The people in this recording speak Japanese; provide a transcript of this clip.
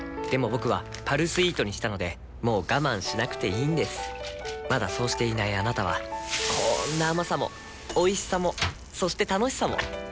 僕は「パルスイート」にしたのでもう我慢しなくていいんですまだそうしていないあなたはこんな甘さもおいしさもそして楽しさもあちっ。